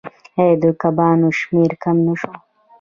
آیا د کبانو شمیر کم نشو؟